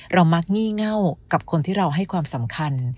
มักงี่เง่ากับคนที่เราให้ความสำคัญ